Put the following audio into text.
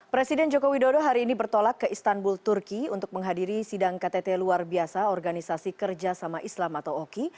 presiden joko widodo hari ini bertolak ke istanbul turki untuk menghadiri sidang ktt luar biasa organisasi kerjasama islam atau oki